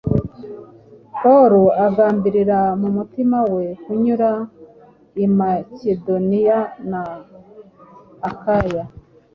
Pawulo agambirira mu mutima we kunyura i Makedoniya na Akaya,